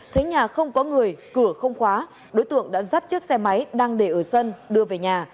thấy nhà không có người cửa không khóa đối tượng đã dắt chiếc xe máy đang để ở sân đưa về nhà